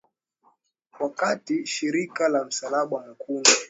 wakati shirika la msalaba mwekundu